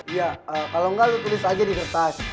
iya kalau enggak lu tulis aja di kertas